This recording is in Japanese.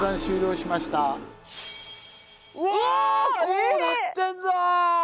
こうなってんだ！